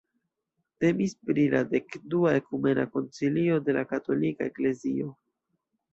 Temis pri la dekdua ekumena koncilio de la katolika eklezio.